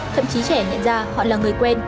thậm chí trẻ nhận ra họ là người quen